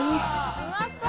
うまそう！